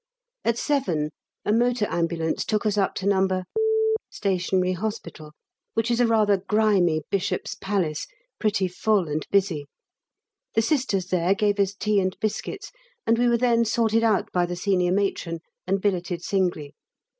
At 7 a motor ambulance took us up to No. Stationary Hospital, which is a rather grimy Bishop's Palace, pretty full and busy. The Sisters there gave us tea and biscuits, and we were then sorted out by the Senior Matron, and billeted singly.